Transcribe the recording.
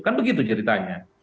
kan begitu ceritanya